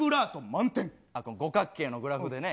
あと五角形のグラフでね。